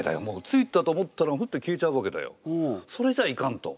ついたと思ったらフッと消えちゃうわけだよ。それじゃあいかんと。